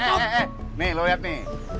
eh eh eh nih lo liat nih